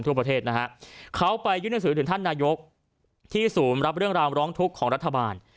ทั่วประเทศนะฮะเขาไปยื่นหนังสือถึงท่านนายกที่ศูนย์รับเรื่องราวร้องทุกข์ของรัฐบาล